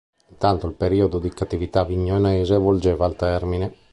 Intanto il periodo di cattività avignonese volgeva al termine.